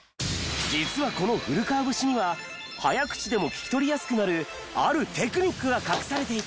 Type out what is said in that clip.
実はこの古川節には早口でも聞き取りやすくなるあるテクニックが隠されていた。